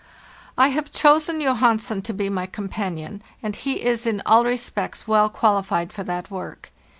I have chosen Johansen to be my companion, and he is in all respects well qualified for that work.